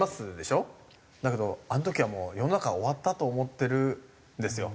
だけどあの時はもう世の中が終わったと思ってるんですよ